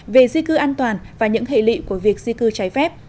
về di cư an toàn và những hệ lị của việc di cư trái phép